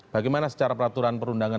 bagaimana secara peraturan perundangan